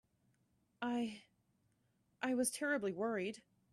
I—I was terribly worried.